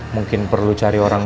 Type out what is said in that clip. mungkin perlu cari orang